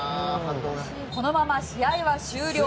このまま試合は終了。